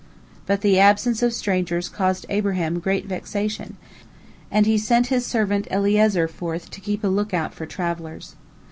But the absence of strangers caused Abraham great vexation, and he sent his servant Eliezer forth to keep a lookout for travellers.